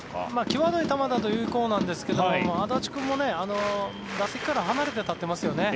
際どい球だと有効なんですけど安達君も打席から離れて立ってますよね。